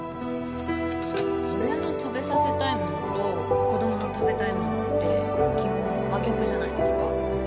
親の食べさせたいものと子供の食べたいものって基本真逆じゃないですか。